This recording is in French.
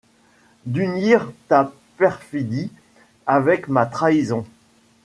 D’unir ta perfidie avec ma trahison